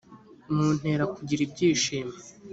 muntera kugira ibyishimo